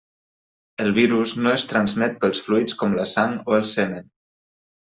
El virus no es transmet pels fluids com la sang o el semen.